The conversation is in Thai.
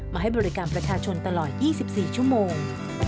ให้บริการประชาชนตลอด๒๔ชั่วโมง